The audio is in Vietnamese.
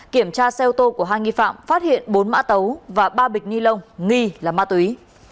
kiểm tra xe ô tô của hai nghi phạm phát hiện bốn mã tấu và ba bịch ni lông nghi là ma túy